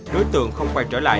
đối tượng không quay trở lại